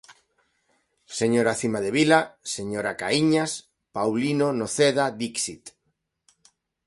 Señora Cimadevila, señora Caíñas, Paulino Noceda dixit.